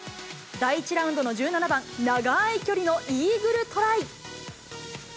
第１ラウンドの１７番、長い距離のイーグルトライ。